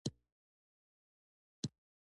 نازولې نرمې، نرمې وږمې واخله